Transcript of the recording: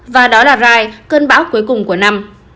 và đó là rai cơn bão cuối cùng của năm